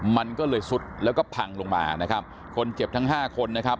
มันก็เลยซุดแล้วก็พังลงมานะครับคนเจ็บทั้งห้าคนนะครับ